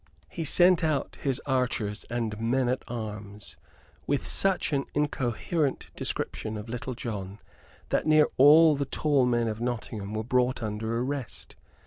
He sent out his archers and men at arms, with such an incoherent description of Little John that near all the tall men of Nottingham were brought under arrest.